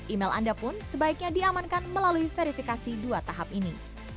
email anda pun sebaiknya diamankan melalui verifikasi dua tahap ini